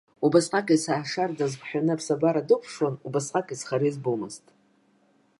Убасҟак есаашар дазгәыҳәны аԥсабара дықәыԥшуан, убасҟак изхара избомызт.